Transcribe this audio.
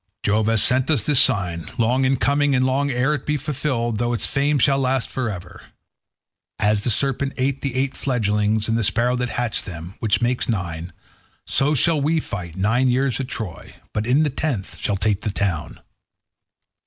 Jove has sent us this sign, long in coming, and long ere it be fulfilled, though its fame shall last for ever. As the serpent ate the eight fledglings and the sparrow that hatched them, which makes nine, so shall we fight nine years at Troy, but in the tenth shall take the town.